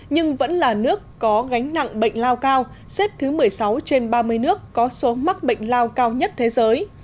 nhưng vẫn là nước có gánh nặng bệnh lao cao xếp thứ một mươi sáu trên ba mươi nước có số mắc bệnh lao cao nhất thế giới